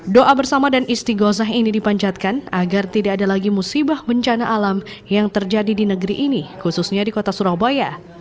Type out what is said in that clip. doa bersama dan istiqosah ini dipancatkan agar tidak ada lagi musibah bencana alam yang terjadi di negeri ini khususnya di kota surabaya